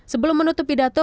sebelum menutup pidato